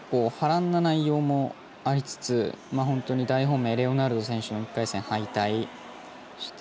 結構波乱な内容もありつつ大本命、レオナルド選手の１回戦敗退。